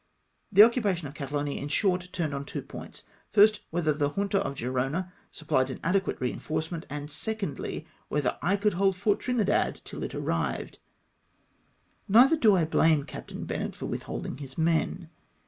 The occupation of Catalonia, in short, turned on two points ; 1st, whether the Junta of Gerona supphed an adequate re inforcement ; and, 2ndly, whether I could hold Fort Trinidad till it arrived, Neither do I blame Captain Bennett for withdrawing liis men.